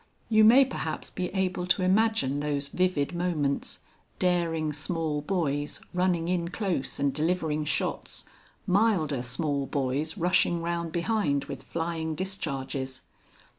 You may perhaps be able to imagine those vivid moments, daring small boys running in close and delivering shots, milder small boys rushing round behind with flying discharges.